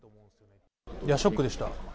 いや、ショックでした。